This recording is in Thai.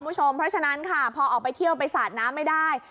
เพราะฉะนั้นค่ะพอออกไปเที่ยวไปสาดน้ำไม่ได้